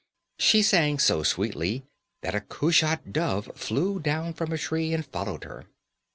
She sang so sweetly that a cushat dove flew down from a tree and followed her.